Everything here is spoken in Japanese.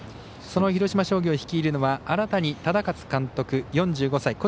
その広島商業を率いるのは荒谷忠勝監督、４５歳。